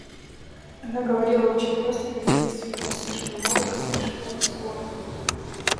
Она говорила очень просто и естественно, но слишком много и слишком скоро.